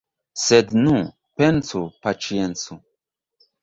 Sed nu, pensu, paĉiencu.